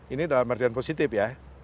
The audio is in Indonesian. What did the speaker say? ini dalam artian positif ya